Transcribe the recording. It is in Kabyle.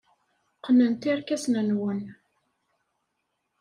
Qqnet irkasen-nwen.